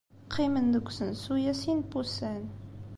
Qqimen deg usensu-a sin n wussan.